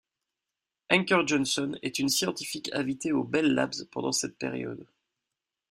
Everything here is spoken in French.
Ancker-Johnson est une scientifique invitée au Bell Labs pendant cette période.